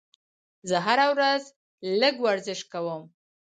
زه هره ورځ لږ ورزش کوم.